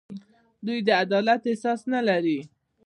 دوی د عدالت احساس نه لري.